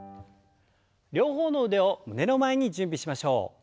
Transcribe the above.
両方の腕を胸の前に準備しましょう。